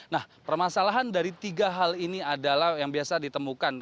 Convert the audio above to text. nah permasalahan dari tiga hal ini adalah yang biasa ditemukan